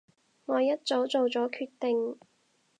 我一早做咗決定